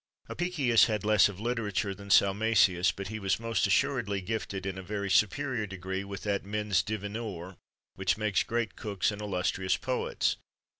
Apicius had less of literature than Salmasius, but he was most assuredly gifted in a very superior degree with that mens divinior which makes great cooks and illustrious poets.